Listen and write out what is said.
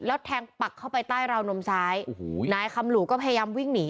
แล้วแทงปักเข้าไปใต้ราวนมซ้ายโอ้โหนายคำหลู่ก็พยายามวิ่งหนี